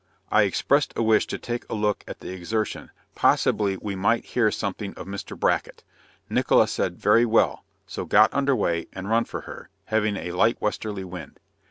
I expressed a wish to take a look at the Exertion, possibly we might hear something of Mr. Bracket. Nickola said "very well," so got under way, and run for her, having a light westerly wind.